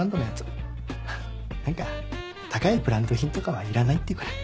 はっ何か高いブランド品とかはいらないって言うから。